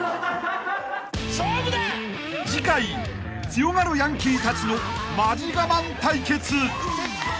［強がるヤンキーたちのマジ我慢対決］